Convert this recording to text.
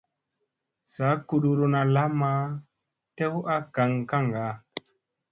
Saa kuɗuruna lamma tew a gaŋ kaŋga.